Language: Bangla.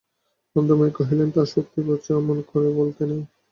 আনন্দময়ী কহিলেন, তা সত্যি বাছা, অমন করে বলতে নেই।